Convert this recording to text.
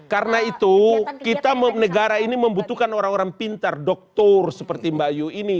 karena itu kita negara ini membutuhkan orang orang pintar doktor seperti mbak yu ini